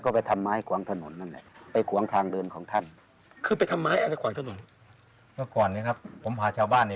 เป้าหมายจูงเราประชาติ